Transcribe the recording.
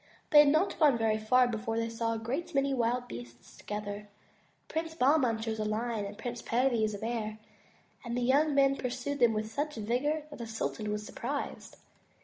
They had not gone very far before they saw a great many wild beasts together. Prince Bahman chose a lion and Prince Perviz a bear and the young men pursued them with such vigor that the sultan was surprised.